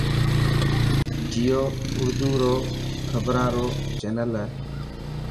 جيو ارڌو کبران رو چينل هي.